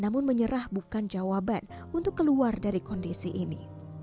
namun menyerah bukan jawaban untuk keluar dari kondisi ini